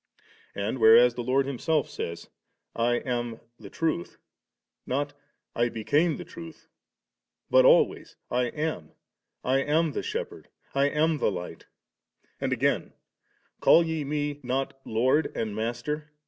* And whereas the Lord Himself says, * I am the Truth *<*,' not * I became the Truth ;' but always, * I am, — I am the Shepherd, — I am the Light,' — and again, * Call ye Me not. Lord and Master?